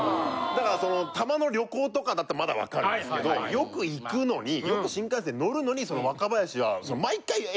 だからたまの旅行とかだったらまだ分かるんですけどよく行くのによく新幹線乗るのに。